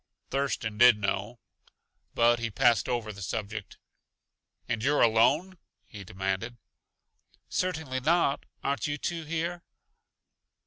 Thurston did know, but he passed over the subject. "And you're alone?" he demanded. "Certainly not; aren't you two here?"